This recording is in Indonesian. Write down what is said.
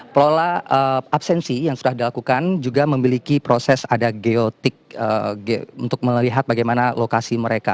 pelola absensi yang sudah dilakukan juga memiliki proses ada geotik untuk melihat bagaimana lokasi mereka